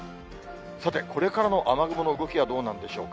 さて、これからの雨雲の動きはどうなんでしょうか。